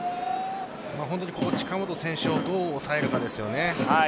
ここ、近本選手をどう抑えるかですよね。